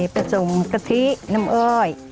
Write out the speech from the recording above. ประสงค์กะทิน้ำอ้อย